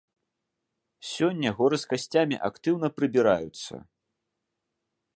Сёння горы з касцямі актыўна прыбіраюцца.